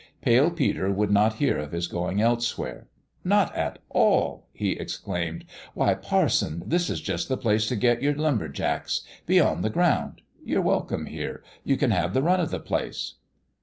Pale Peter would not hear of his going elsewhere. "Not at all!" he exclaimed. "Why, parson, this is just the place to get your lumber jacks. Be on the ground. You're welcome here. You can have the run of the place."